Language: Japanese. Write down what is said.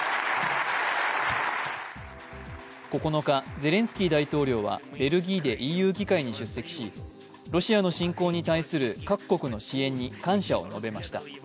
９日、ゼレンスキー大統領はベルギーでＥＵ議会に出席しロシアの侵攻に対する各国の支援に感謝を述べました。